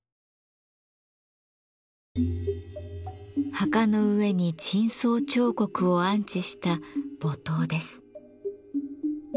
墓の上に頂相彫刻を安置した墓塔です。